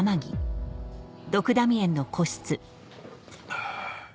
ああ。